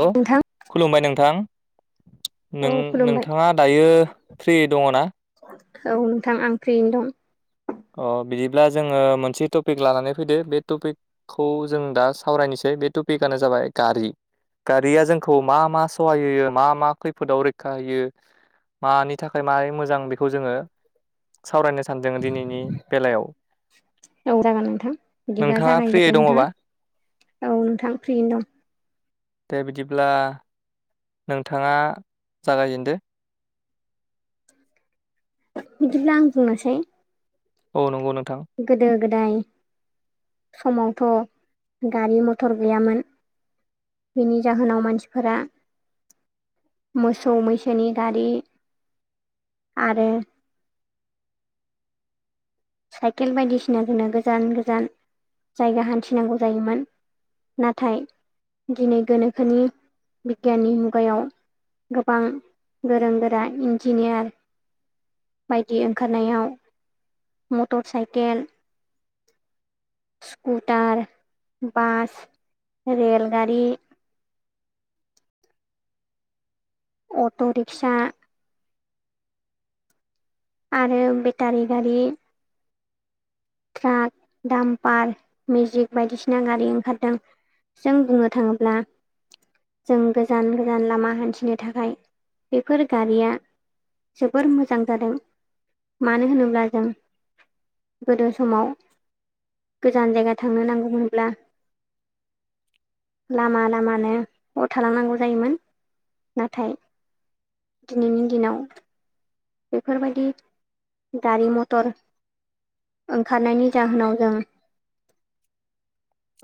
हेल' नोंथां खुलुमबाय नोंथां नों औ खुलुमबाय नोंथाङा दायो फ्रि दङ ना? औ नोंथां आं फ्रियैनो दं अ बिदिब्ला जोङो मोनसे टपिक लानानै फैदो बे टपिकखौ जों दा सावरायनोसै बे टपिकआनो जाबाय गारि गारिया जोंखौ मा मा सहाय होयो मा मा खैफोदाव रैखा होयो। मानि थाखाय मारै मोजां बेखौ जोङो सावरायनो सानदों दिनैनि बेलायाव औ जागोन नोंथां बिदिब्ला नोंथाङा फ्रियै जागायग्रोदो नोंथाङा दङबा औ नोंथां फ्रियैनो दं दे बिदिब्ला नोंथाङा जागायजेनदो। बिदिब्ला आं बुंनोसै औ नंगौ नोंथां गोदो गोदाय समावथ' गारि मथर गैयामोन बेनि जाहोनाव मानसिफोरा मोसौ मैसोनि गारि आरो साइकेल बायदिसिनाजोंनो गोजान गोजान जायगा हान्थिनांगौ जायोमोन। नाथाय दिनै गोनोखोनि बिगियाननि मुगायाव गोबां गोरों गोरा इन्जिनियार बायदि ओंखारनायाव मटर साइकेल सकुटार बास रेलगारि अट' रिकसा आरो बेटारि गारि ट्राक [inaudible] दामपार मेजिक बायदिसिना गारि ओंखारदों। जों बुंनो थाङोब्ला जों गोजान गोजान लामा हान्थिनो थाखाय बेफोर गारिया जोबोर मोजां जादों मानो होनोब्ला जों गोदो समाव गोजान जायगा थांनो नांगौमोनब्ला लामा लामानो हर थालांनांगौ जायोमोन नाथाय दिनैनि दिनाव बेफोरबायदि गारि मथर ओंखारनायनि जाहोनाव जों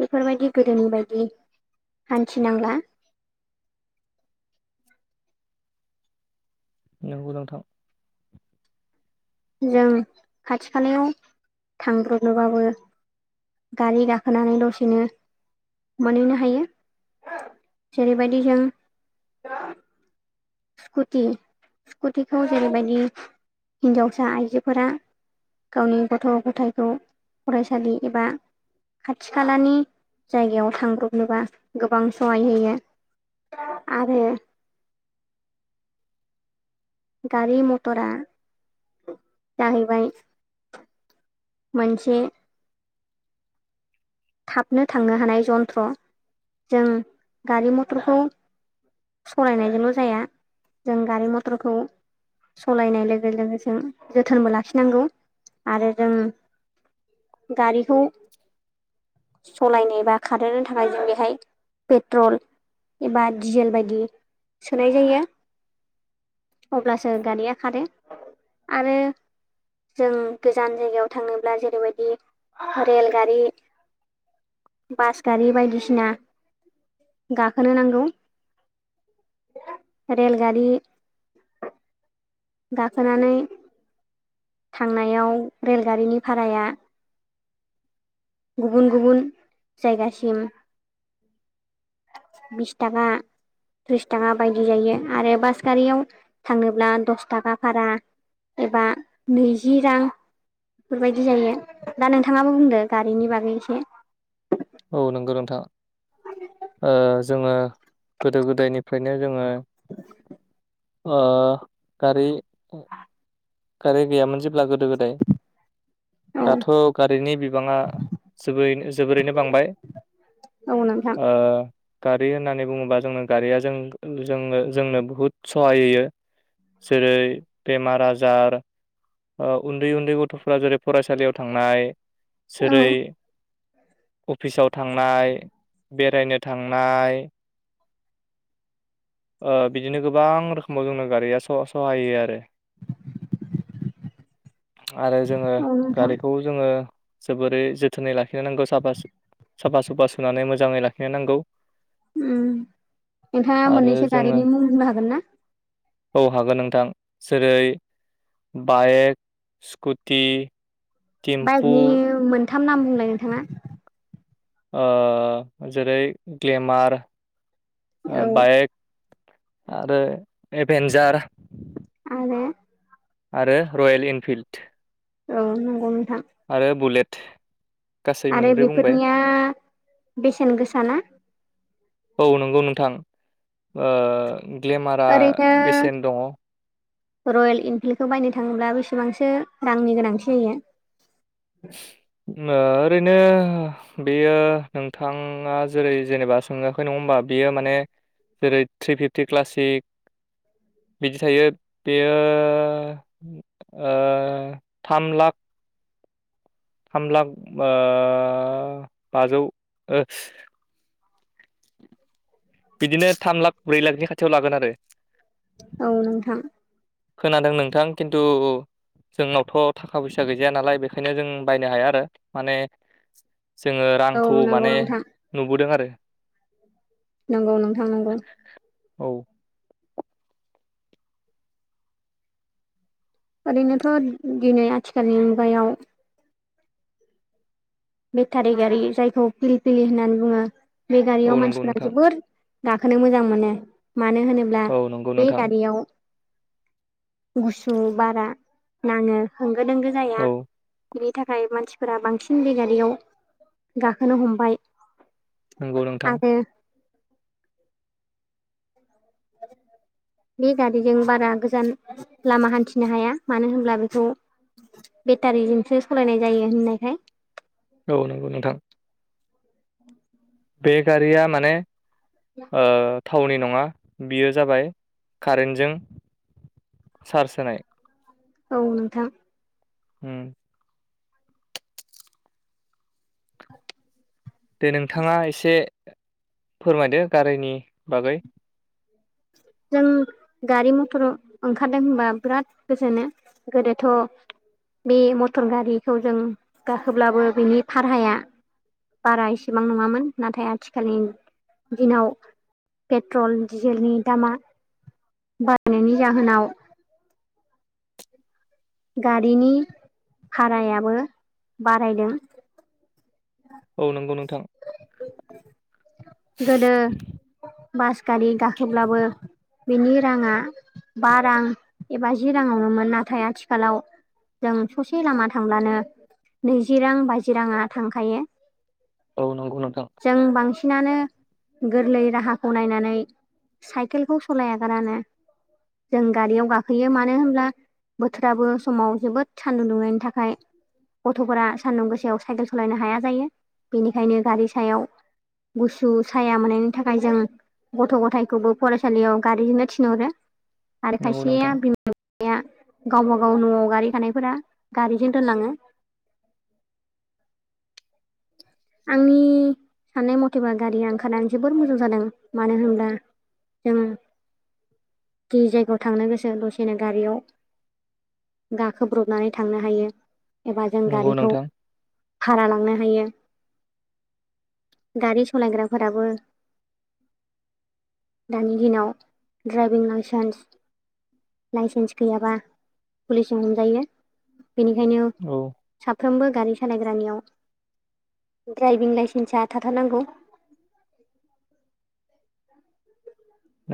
बेफोरबायदि गोदोनि बायदि हान्थिनांला [inaudible] नंगौ नोंथां जों खाथि खालायाव थांब्रबनोबाबो गारि गाखोनानै दसेनो मोनहैनो हायो। जेरैबायदि जों स्कुटि स्कुटिखौ जेरैबायदि हिन्जावसा आइजोफोरा गावनि गथ' गथायखौ फरायसालि एबा खाथि खालानि जायगायाव थांब्रबनोबा गोबां सहाय होयो आरोे गारि मटरा जाहैबाय मोनसे थाबनो थांनो हानाय जन्थ्र जों गारि मथरखौ सालायनायजोंल' जाया जों गारि मथरखौ सालायनाय लोगो लोगो जों जोथोनबो लाखिनांगौ आरो जों गारिखौ सालायनो बा खारो थाखाय जों बेहाय पेट्रल एबा दिजेल बायदि सोनाय जायो अब्लासो गारिया खारो आरो जों गोजान जायगायाव थांनोब्ला जेरैबायदि रेलगारि बास गारि बायदिसिना गाखोनो नांगौ। रेलगारि गाखोनानै थांनायाव रेलगारिनि भाराया गुबुन गुबुन जायगासिम बिस थाखा थ्रिस थाखा बायदि जायो आरो बास गारियाव थांनोब्ला दस थाखा भारा एबा नैजि रां बेफोरबायदि जायो दा नोंथाङाबो बुंदों गारिनि बागैसे औ नंगौ नोंथां जोङो गोदो गोदायनिफ्रायनो जोङो [inaudible] गारि गारि गैयामोन जे गोदो गोदाय औ दाथ' गारिनि बिबाङा जोरै जोबोरैनो बांबाय औ नोंथां अ गारि होननानै बुङोबा जोंनो गारिया जों जों जोंनो बुहुत सहाय होयो। जेरै बेमार आजार उन्दै उन्दै गथ'फ्रा जेरै फरायसालियाव थांनाय औ जेरै अफिसाव थांनाय बेरायनो थांनाय ओ बिदिनो गोबां रोखोमाव जोंनो गारिया स- सहाय होयो आरो आरो जोङो औ नोंथां गारिखौ जोङो जोबोरै जोथोनै लाखिनो नांगौ साफा साफा सुफा सुनानै मोजाङै लाखिनो नांगौ ओम नोंथाङा आरो मोननैसो जोङो गारिनि मुं बुंनो हागोन ना? औ हागोन नोंथां जेरै बाइक स्कुटि टिम्फु बाइकनि मोनथाम नाम बुंलाय नोंथाङा ओ जेरै ग्लेमार ओ औ बाइक आरो इभेनजार आरोे आरो रयेल इनफिल्ड औ नंगौ नोंथां आरो बुलेट गासै आरो मोनब्रै बुंबाय बेफोरनिया बेसेन गोसा ना औ नंगौ नोंथां ओ ग्लेमारा ओरैनो बेसेन दङ रयेल इनफिल्डखौ बायनो थाङोब्ला बेसेबांसो रांनि गोनांथि जायो? [inaudible] ओ ओरैनो बेयो नोंथाङा जेरै जेनेबा सोंङाखै नङा होनबा बियो माने जेरै थ्रि फिफ्टि क्लासिक बिदि थायो बेयो ओ थाम लाख थाम लाख ओ बाजौ ओ [inaudible] बिदिनो थाम लाख ब्रै लाखनि खाथियाव लागोन आरो औ नोंथां खोनादों नोंथां खिन्थु जोंनावथ' थाखा फैसा गैजाया नालाय बेखायनो जों बायनो हाया आरो माने जोङो औ रांखौ नंगौ माने नोंथां नुबोदों आरो नंगौ नोंथां नंगौ औ ओरैनोथ' दिनै आथिखालनि मुगायाव बेटारि गारि जायखौ फिल पिलि होननानै बुङो बे औ गारियाव नंगौ मानसिफोरा नोंथां जोबोर गाखोनो मोजां मोनो मानो होनोब्ला औ नंगौ बे नोंथां गारियाव गुसु बारा नाङो होंगो -दोंगो जाया औ बिनि थाखाय मानसिफोरा बांसिन बेगारियाव गाखोनो हमबाय नंगौ नोंथां आरो [unintelligible] बे गारिजों बारा गोजान लामा हान्थिनो हाया मानो होनब्ला बेखौ बेटारिजोंसो सालायनाय जायो होननायखाय औ नंगौ नोंथां बे गारिया माने ओ थावनि नङा बेयो जाबाय कारेन्टजों सार्स होनाय औ नोंथां होम दे नोंथाङा एसे फोरमायदो गारिनि बागै [unintelligible] जों गारि मथर ओंखारदों होनबा बिराद गोजोनो गोदोथ' बे मटर गारिखौ जों गाखोब्लाबो बिनि फारहाया बारा इसेबां नङामोन नाथाय आथिखालनि दिनाव पेट्रल डिजेलनि दामा बारायनायनि जाहोनाव गारिनि भारायाबो बारायदों औ नंगौ नंगौ गोदो बास गारि गाखोब्लाबो बेनि राङा बा रां एबा जि राङावनोमोन नाथाय आथिखालाव जों ससे लामा थांब्लानो नैजि रां बाजि राङा थांखायो औ नंगौ नोंथां जों बांसिन नानो गोरलै राहाखौ नायनानै साइकेलखौ सालायागारानो जों गारियाव गाखोयो मानो होनब्ला बोथोराबो समाव जोबोद सान्दुंदुंनायनि थाखाय गथ'फोरा सान्दुं गोसायाव साइकेल सालायनो हाया जायो बेनिखायनो गारि सायाव गुसु साया मोननायनि थाखाय जों गथ' गथायखौबो फरायसालियाव गारिजोंनो थिनहरो आरो नंगौ खायसेया नोंथां बिमा-बिफाया गावबा गाव न'आव गारि थानायफोरा गारिजों दोनलाङो आंनि [inaudible] साननाय मथेबा गारिया ओंखारनानै जोबोर मोजां जादों मानो होनब्ला जोङो जिस जायगायाव थांनो गोसो दसेनो गारियाव गाखोब्र'बनानै थांनो हायो एबा जों नंगौ गारिखौ नोंथां भारा लांनो हायो। गारि सालायग्राफोराबो दानि दिनाव ड्राइभिं लाइसेन्स लाइसेन्स गैयाबा पुलिसजों हमजायो बेनिखायनो औ साफ्रोमबो गारि सालायग्रानियाव ड्राइभिं लाइसेन्सा थाथारनांगौ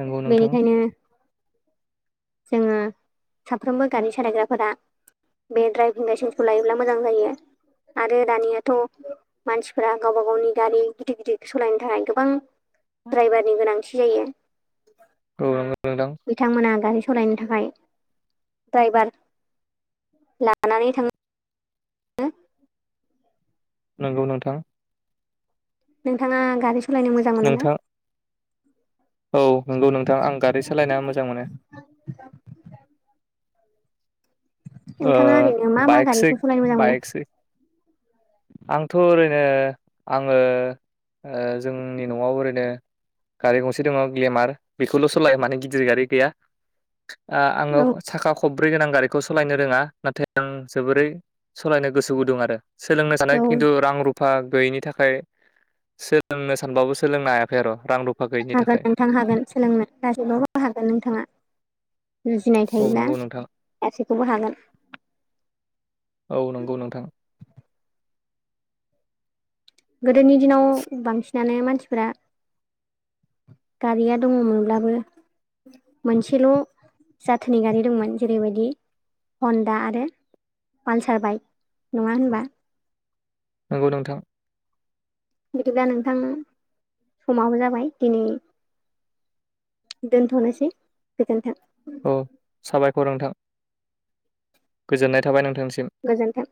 नंगौ नोंथां बेनिखायनो जोङो साफ्रोमबो गारि सालायग्राफोरा बे दड्राइभिं लाइसेन्सखौ लायोब्ला मोजां जायो आरो दानियाथ' मानसिफोरा गावबा गावनि गारि गिदिर गिदिर सालायनो थाखाय गोबां द्रायभारनि गोनांथि जायो औ नंगौ नोंथां बिथांमोना गारि सालायनो थाखाय ड्राइभार लानानै थांनो [unintelligible] नंगौ नोंथां नोंथाङा गारि सालायनो मोजां मोनो ना नोंथां औ नंगौ नोंथां आं गारि सालायना मोजां मोनो नोंथाङा ओरैनो मा ओ मा बाइक गारिखौ साइक सालायनो मोजां मोनो बाइकसाय आंथ' ओरैनो आङो जोंनि न'आव ओरैनो गारि गंसे दङ ग्लेमार बेखौल' सालाया माने गिदिर गारि गैया आङो औ साखा खब्रै गोनां गारिखौ स सालायनो रोङा नाथाय आं जोबोरै सालायनो गोसो गुदुं आरो सोलोंनो सानो औ खिन्थु रां रुफा गैयिनि थाखाय सोलोंनो सानबाबो सोलोंनो हायाखै आरो रां रु हागोन नोंथां हागोन सोलोंनो सानसबबो हागोन नोंथाङा जुजिनाय औ थायोब्ला नंगौ नोंथां गासैखौबो हागोन औ नंगौ नोंथां गोदोनि दिनाव बांसिनानो मानसिफोरा गारिया दङमोनब्लाबो मोनसेल' जाथनि गारि दंमोन जेरैबायदि हनदा आरो पालसार बाइक नङा होनबा नंगौ नोंथां। बिदिब्ला नोंथां समाबो जाबाय दिनै दोनथ'नोसै गोजोन्थों नंगौ नोंथां गोजोननाय थाबाय नोंथां गोजोन्थों